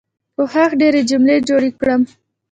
کوښښ ډيرې جملې جوړې کړم.